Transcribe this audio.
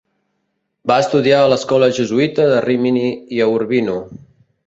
Va estudiar a l'escola jesuïta de Rímini i a Urbino.